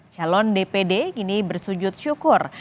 calon dpd kini bersujud syukur